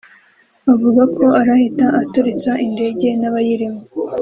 avuga ko arahita aturitsa indege n’abayirimo